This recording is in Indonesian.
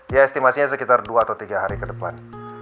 ya estimasinya sekitar dua atau tiga hari ke depan